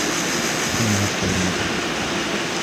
أين مدخل المتحف ؟